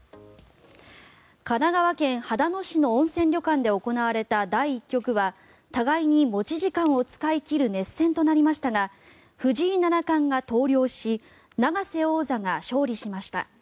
神奈川県秦野市の温泉旅館で行われた第１局は互いに持ち時間を使い切る熱戦となりましたが藤井七冠が投了し永瀬王座が勝利しました。